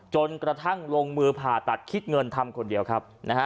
จนกระทั่งลงมือผ่าตัดคิดเงินทำคนเดียวครับ